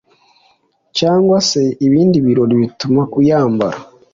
cyangwa se ibindi birori bituma uyambara